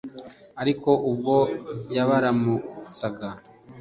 ariko ubwo yabaramutsaga